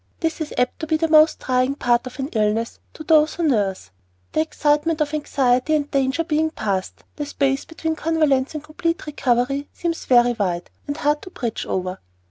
This is apt to be the most trying part of an illness to those who nurse; the excitement of anxiety and danger being past, the space between convalescence and complete recovery seems very wide, and hard to bridge over.